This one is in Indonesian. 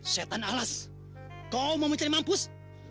setan alas kau mau mencari mampus